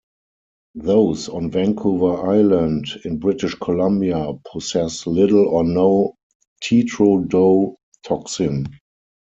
Those on Vancouver Island, in British Columbia, possess little or no tetrodotoxin.